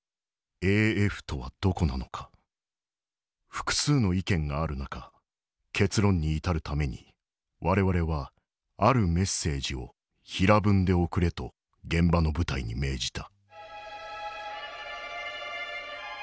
「複数の意見がある中結論に至るために我々はあるメッセージを平文で送れと現場の部隊に命じた」。